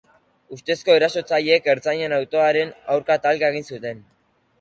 Ustezko erasotzaileek ertzainen autoaren aurka talka egin zuten.